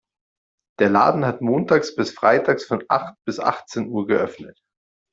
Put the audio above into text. Der Laden hat montags bis freitags von acht bis achtzehn Uhr geöffnet.